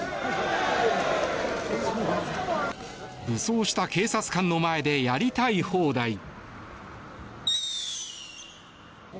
武装した警察官の前でやりたい放題。